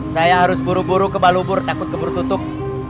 saya harus buru buru ke balubur takut kebur tutup